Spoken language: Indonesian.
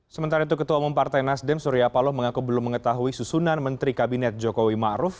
sementara itu ketua umum partai nasdem surya paloh mengaku belum mengetahui susunan menteri kabinet jokowi ⁇ maruf ⁇